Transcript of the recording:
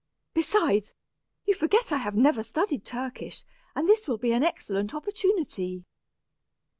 Besides, you forget I have never studied Turkish, and this will be an excellent opportunity."